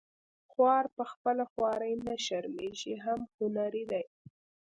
خوار په خپله خواري نه شرمیږي هم هنري دی